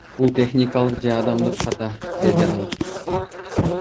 Бул техникалык же адамдык ката, — деди ал.